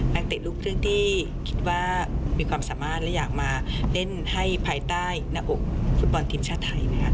นักเตะลูกครึ่งที่คิดว่ามีความสามารถและอยากมาเล่นให้ภายใต้หน้าอกฟุตบอลทีมชาติไทย